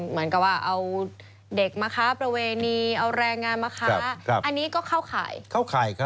เหมือนกับว่าเอาเด็กมาค้าประเวณีเอาแรงงานมาค้าอันนี้ก็เข้าข่ายครับ